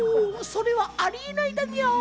それはありえないだにゃー。